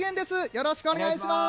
よろしくお願いします。